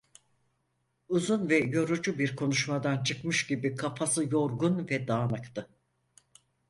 Uzun ve yorucu bir konuşmadan çıkmış gibi kafası yorgun ve dağınıktı.